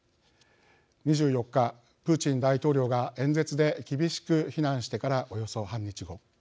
２４日、プーチン大統領が演説で厳しく非難してからおよそ半日後